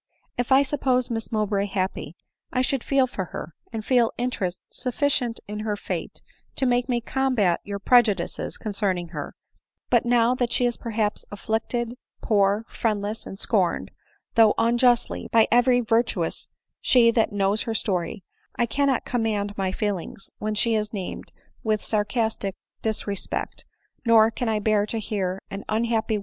If I supposed Miss Mowbray happy, I should feel for her, and feel interest sufficient in her fate to make me combat your prejudices concerning her ; but now that she is perhaps afflicted, poor, friendless, and scorned, though unjustly, by every ' virtuous she that knows her story,' I cannot command my feelings when she is named with sarcastic disrespect, nor can I bear to bear an unhappy 276 ADELINE MOWBRAY.